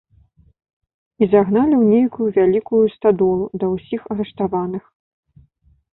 І загналі ў нейкую вялікую стадолу, да ўсіх арыштаваных.